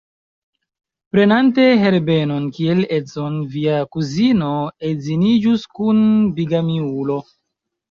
Prenante Herbenon kiel edzon, via kuzino edziniĝus kun bigamiulo.